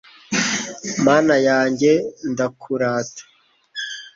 mana yanjye, ndakurata